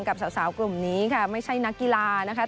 กับสาวกลุ่มนี้ค่ะไม่ใช่นักกีฬานะคะ